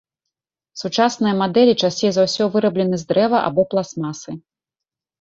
Сучасныя мадэлі часцей за ўсё выраблены з дрэва або пластмасы.